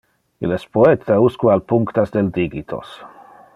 Il es poeta usque al punctas del digitos.